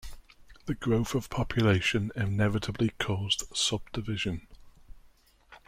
The growth of population inevitably caused subdivision.